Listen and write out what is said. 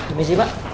ini sih pak